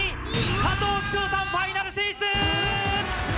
加藤煕章さんファイナル進出！